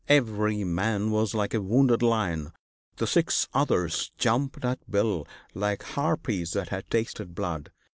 Every man was like a wounded lion; the six others jumped at Bill like harpies that had tasted blood.